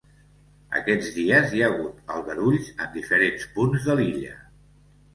Aquests dies hi ha hagut aldarulls en diferents punts de l’illa.